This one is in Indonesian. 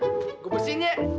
lu tuh resip banget sih